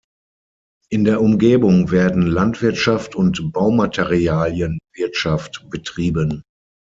In der Umgebung werden Landwirtschaft und Baumaterialienwirtschaft betrieben.